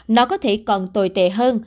nó có thể còn tồi tệ hơn